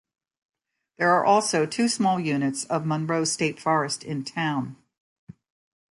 There are also two small units of Monroe State Forest in town.